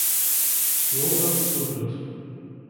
Grover gegründet.